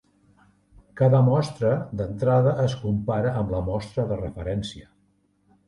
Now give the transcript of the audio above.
Cada mostra d'entrada es compara amb la mostra de referència.